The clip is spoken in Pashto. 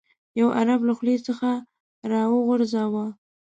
یو عرب له خولې څخه راوغورځاوه.